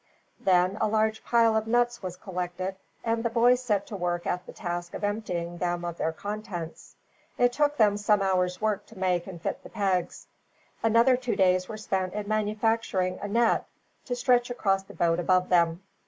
Then a large pile of nuts was collected, and the boys set to work at the task of emptying them of their contents. It took them some hours' work to make and fit the pegs. Another two days were spent in manufacturing a net, to stretch across the boat above them.